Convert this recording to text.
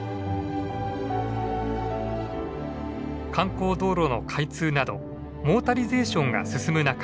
観光道路の開通などモータリゼーションが進む中